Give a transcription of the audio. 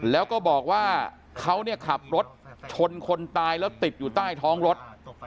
แล้วก็บอกว่าเขาเนี่ยขับรถชนคนตายแล้วติดอยู่ใต้ท้องรถ